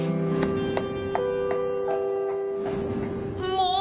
もう！